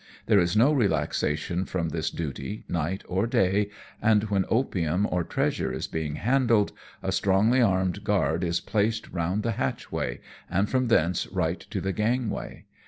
There is no relaxation from this duty night or day, and when opium or treasure is being handled, a strongly armed guard is placed round the hatchway, and from thence right to the gangway.